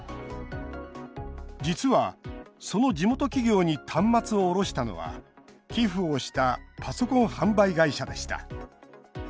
実は、その地元企業に端末を卸したのは、寄付をしたパソコン販売会社でした。